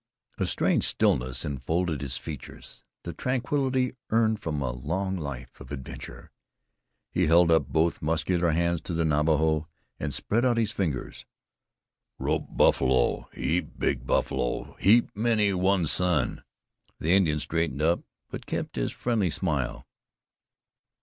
A strange stillness enfolded his feature the tranquility earned from a long life of adventure. He held up both muscular hands to the Navajo, and spread out his fingers. "Rope buffalo heap big buffalo heap many one sun." The Indian straightened up, but kept his friendly smile.